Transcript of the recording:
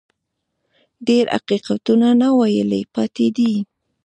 ډېر حقیقتونه ناویلي پاتې دي.